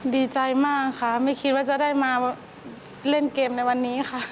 ดีใจมากค่ะไม่คิดว่าจะได้มาเล่นเกมในวันนี้ค่ะ